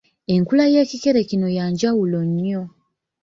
Enkula y’ekikere kino ya njawulo nnyo.